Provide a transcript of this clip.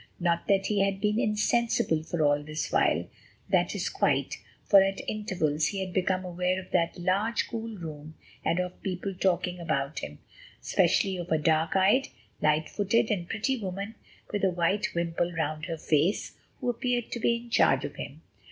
Not that he had been insensible for all this while—that is, quite—for at intervals he had become aware of that large, cool room, and of people talking about him—especially of a dark eyed, light footed, and pretty woman with a white wimple round her face, who appeared to be in charge of him.